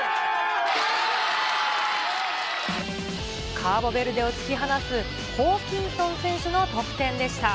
カーボベルデを突き放す、ホーキンソン選手の得点でした。